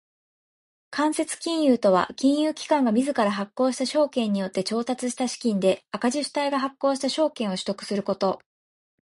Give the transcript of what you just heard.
間接金融とは金融機関が自ら発行した証券によって調達した資金で赤字主体が発行した証券を取得すること。